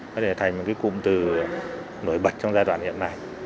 có thể thành một cái cụm từ nổi bật trong giai đoạn hiện nay